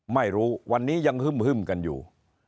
ไม่รู้วันนี้ยังฮึ่มกันอยู่